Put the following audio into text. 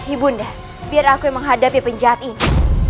ibunda biar aku yang menghadapi penjahat ini